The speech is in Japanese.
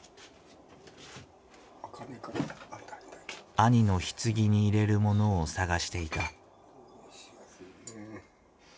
兄のひつぎに入れるものを探していた。